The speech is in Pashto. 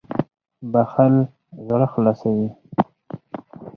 • بښل زړه خلاصوي.